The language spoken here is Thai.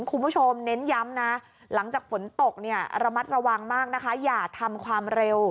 เน้นย้ำนะหลังจากฝนตกเนี่ยระมัดระวังมากนะคะอย่าทำความเร็ว